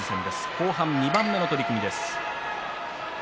後半２番目の取組です。